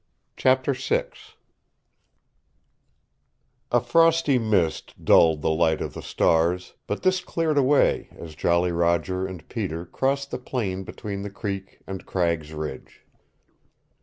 CHAPTER VI A frosty mist dulled the light of the stars, but this cleared away as Jolly Roger and Peter crossed the plain between the creek and Cragg's Ridge.